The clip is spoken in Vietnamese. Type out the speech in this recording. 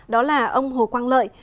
đó là ông hồ quang lợi